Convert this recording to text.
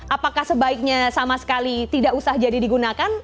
apakah sebaiknya sama sekali tidak usah jadi digunakan